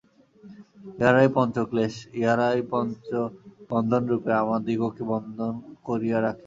ইহারাই পঞ্চ ক্লেশ, ইহারা পঞ্চবন্ধনরূপে আমাদিগকে বদ্ধ করিয়া রাখে।